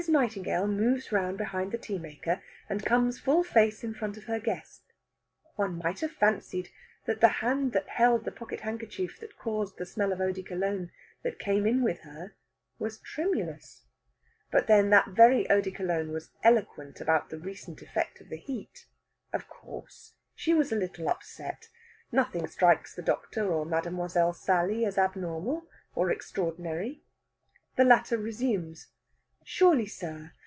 Nightingale moves round behind the tea maker, and comes full face in front of her guest. One might have fancied that the hand that held the pocket handkerchief that caused the smell of eau de Cologne that came in with her was tremulous. But then that very eau de Cologne was eloquent about the recent effect of the heat. Of course, she was a little upset. Nothing strikes either the doctor or Mademoiselle Sally as abnormal or extraordinary. The latter resumes: "Surely, sir!